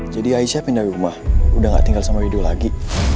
jadi aisha pindah rumah udah gak tinggal sama widu lagi